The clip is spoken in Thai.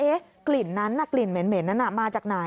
กลิ่นนั้นน่ะกลิ่นเหม็นนั้นมาจากไหน